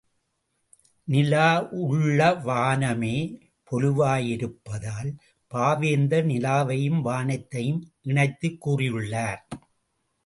நிலா உள்ள வானமே பொலிவாயிருப்பதால், பாவேந்தர் நிலாவையும் வானத்தையும் இணைத்துக் கூறியுள்ளார்.